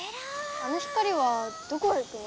あの光はどこへ行くの？